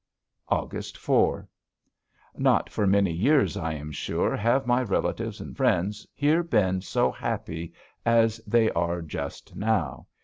August 4. Not for many years, I am sure, have my relatives and friends here been so happy as they are just now.